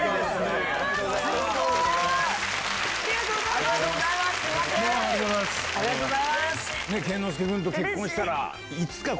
ありがとうございます。